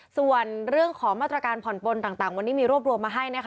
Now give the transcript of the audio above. ส่วนเรื่องของมาตรการผ่อนปนต่างวันนี้มีรวบรวมมาให้นะคะ